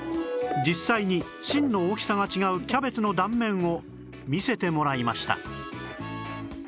実際に芯の大きさが違うキャベツの断面を見せてもらいました